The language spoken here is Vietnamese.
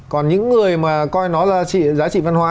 còn những người mà coi nó là giá trị văn hóa